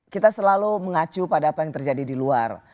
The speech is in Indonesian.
kita selalu mengacu pada apa yang terjadi di luar